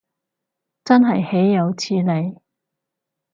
真係豈有此理